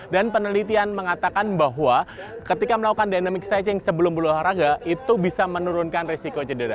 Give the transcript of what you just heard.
dan penelitian mengatakan bahwa ketika melakukan dynamic stretching sebelum berolahraga itu bisa menurunkan risiko cedera